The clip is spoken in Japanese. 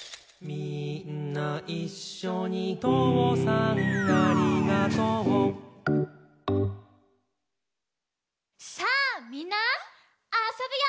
「みーんないっしょにとうさんありがとう」さあみんなあそぶよ！